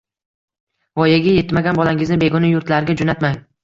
Voyaga yetmagan bolangizni begona yurtlarga jo‘natmang